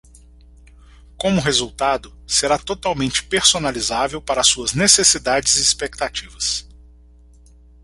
Como resultado, será totalmente personalizável para suas necessidades e expectativas.